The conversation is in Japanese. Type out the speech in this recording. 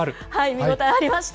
見応えありました。